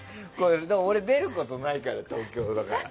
俺出ることないから、東京だから。